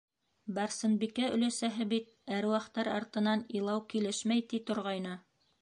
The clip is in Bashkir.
Барсынбикә өләсәһе бит, әруахтар артынан илау килешмәй, ти торғайны...